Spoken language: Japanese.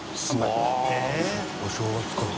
わぁお正月から。